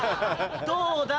どうだ？